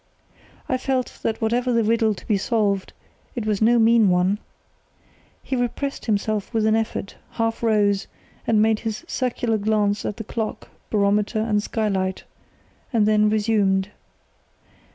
I felt that whatever the riddle to be solved, it was no mean one. He repressed himself with an effort, half rose, and made his circular glance at the clock, barometer, and skylight, and then resumed.